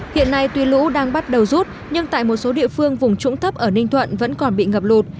hiện nay tuy lũ đang bắt đầu rút nhưng tại một số địa phương vùng trũng thấp ở ninh thuận vẫn còn bị ngập lụt